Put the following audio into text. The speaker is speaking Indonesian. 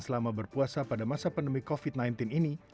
selama berpuasa pada masa pandemi covid sembilan belas ini